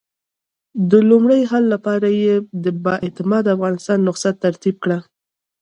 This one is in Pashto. د لومړني حل لپاره یې د با اعتماده افغانستان نسخه ترتیب کړه.